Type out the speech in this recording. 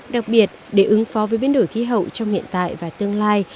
đặc biệt để ứng phó với biến đổi khí hậu trong hiện tại và tương lai